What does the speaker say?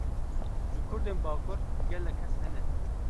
Ji Kurdên bakur, gelek kes hene